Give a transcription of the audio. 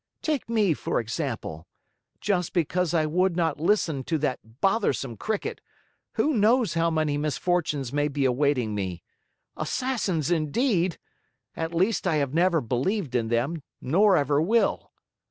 Take me, for example. Just because I would not listen to that bothersome Cricket, who knows how many misfortunes may be awaiting me! Assassins indeed! At least I have never believed in them, nor ever will.